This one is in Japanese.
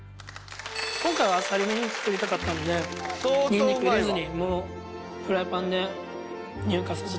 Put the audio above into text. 今回はあっさりめに作りたかったのでにんにく入れずにもうフライパンで乳化させたぐらいなので。